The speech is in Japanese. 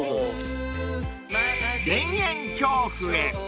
［田園調布へ］